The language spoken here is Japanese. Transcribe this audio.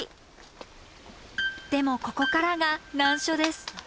でもここからが難所です。